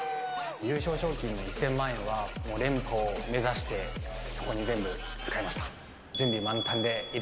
優勝賞金の１０００万円は、もう連覇を目指して、そこに全部使いました。